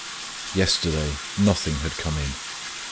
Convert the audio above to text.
Yesterday nothing had come in.